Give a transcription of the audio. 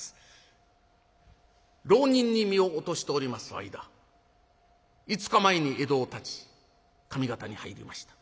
ろう人に身を落としております間５日前に江戸をたち上方に入りました。